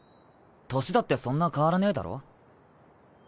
年だってそんな変わらねえだろ。